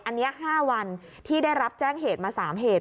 อันนี้๕วันที่ได้รับแจ้งเหตุมา๓เหตุ